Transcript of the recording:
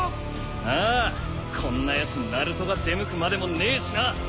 ああこんなヤツにナルトが出向くまでもねえしな。